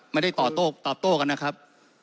ไม่ได้ตอบโต้ตอบโต้กันนะครับ